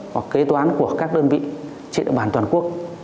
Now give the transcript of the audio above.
hoặc kế toán của các đơn vị trị đội bản toàn quốc